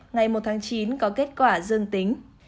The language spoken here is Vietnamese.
ngày một tháng chín có kết quả dương tính